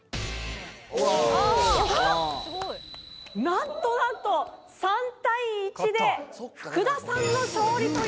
なんとなんと３対１で福田さんの勝利という事に。